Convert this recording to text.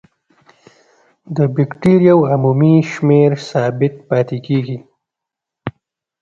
د بکټریاوو عمومي شمېر ثابت پاتې کیږي.